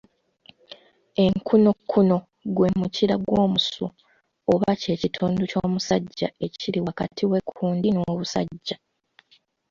Enkuunokuuno gwe mukira gw’omusu oba kye kitundu ky’omusajja ekiri wakati w’ekkundi n’obusajja.